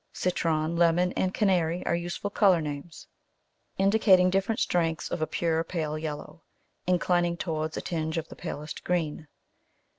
Citron, lemon, and canary are useful colour names, indicating different strengths of pure pale yellow, inclining towards a tinge of the palest green.